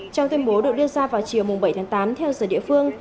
trong tuyên bố được đưa ra vào chiều bảy tháng tám theo giờ địa phương